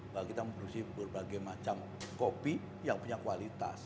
bahwa kita memproduksi berbagai macam kopi yang punya kualitas